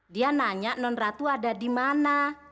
dia nanya non ratu ada di mana